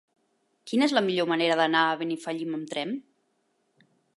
Quina és la millor manera d'anar a Benifallim amb tren?